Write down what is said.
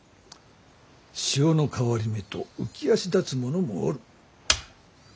潮の変わり目と浮き足だつ者もおる。